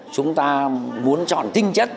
chúng ta muốn chọn tinh chất